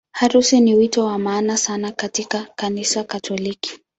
Harusi ni wito wa maana sana katika Kanisa Katoliki.